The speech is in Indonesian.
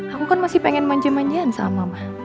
aku kan masih pengen manja manjaan sama mah